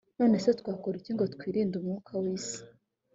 none se twakora iki ngo twirinde umwuka w isi